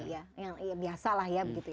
yang biasalah ya